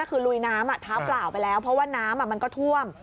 คือลุยน้ำเท้าเปล่าไปแล้วเพราะว่าน้ำมันก็ท่วม